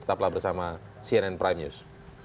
tetaplah bersama cnn prime news